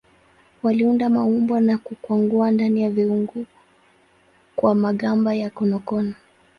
Waliunda maumbo na kukwangua ndani ya viungu kwa magamba ya konokono.